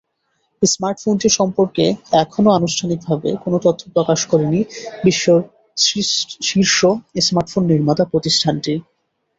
স্মার্টফোনটি সম্পর্কে এখনও আনুষ্ঠানিকভাবে কোনো তথ্য প্রকাশ করেনি বিশ্বের শীর্ষ স্মার্টফোন নির্মাতা প্রতিষ্ঠানটি।